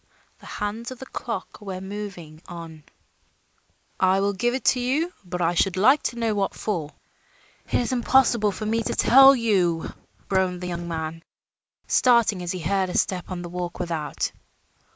The hands of the clock were moving on. "I will give it to you; but I should like to know what for." "It is impossible for me to tell you," groaned the young man, starting as he heard a step on the walk without.